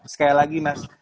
sekali lagi mas